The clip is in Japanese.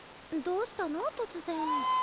どうしたの突然！？